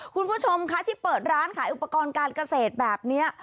คุณผู้ชมคะที่เปิดร้านขายอุปกรณ์การเกษตรแบบนี้